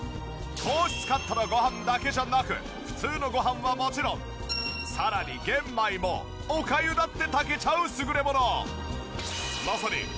糖質カットのごはんだけじゃなく普通のごはんはもちろんさらに玄米もおかゆだって炊けちゃう優れもの。